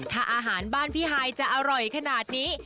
ถ้าอาหารบ้านพี่ฮายจะอร่อยขนาดนี้